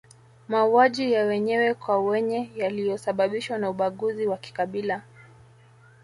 Mauaji ya wenyewe kwa wenye yaliyosababishwa na ubaguzi wa kikabila